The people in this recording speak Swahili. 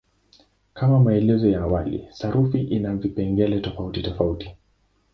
Kama maelezo ya awali, sarufi ina vipengele tofautitofauti.